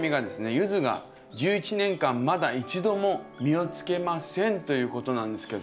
ユズが１１年間まだ１度も実をつけませんということなんですけど。